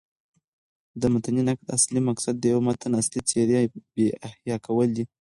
د متني نقد اصلي مقصد د یوه متن اصلي څېرې بيا احیا کول دي.